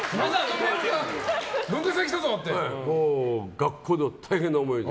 学校では大変な思い。